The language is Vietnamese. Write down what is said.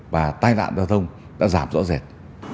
và tai nạn giao thông đã giảm rõ rệt